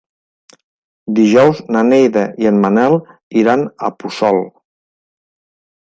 Dijous na Neida i en Manel iran a Puçol.